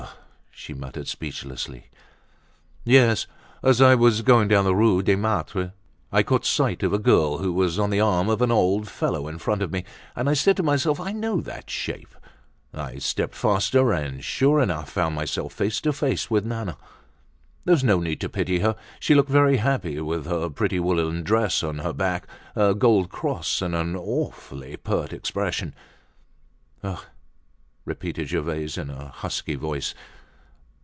"Ah!" she muttered speechlessly. "Yes; as I was going down the Rue des Martyrs, I caught sight of a girl who was on the arm of an old fellow in front of me, and I said to myself: I know that shape. I stepped faster and sure enough found myself face to face with Nana. There's no need to pity her, she looked very happy, with her pretty woolen dress on her back, a gold cross and an awfully pert expression." "Ah!" repeated Gervaise in a husky voice.